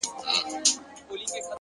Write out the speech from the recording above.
پوهه د ذهن افق روښانوي.!